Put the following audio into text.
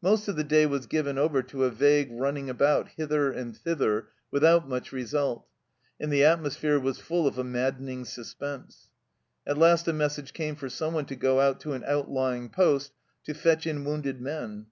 Most of the day was given over to a vague running about hither and thither without much result, and the atmosphere was full of a maddening suspense. At last a message came for someone to go out to an outlying post to fetch in wounded men.